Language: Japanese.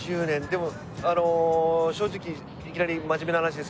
でもあの正直いきなり真面目な話ですけど。